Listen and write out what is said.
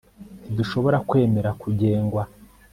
Ntidushobora kwemera kugengwa